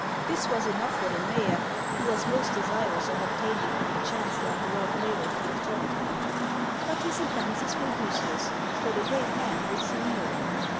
This was enough for the mayor, who was most desirous of obtaining from the chancellor the lord mayoralty of Throndhjem. But his advances were useless, for the great man would see no one.